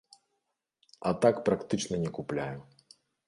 А так практычна не купляю.